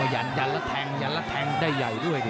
ยันละแทงยันละแทงได้ใหญ่ด้วยดิ